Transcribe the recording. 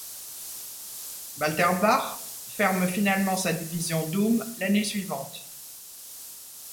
Walterbach ferme finalement sa division doom l'année suivante.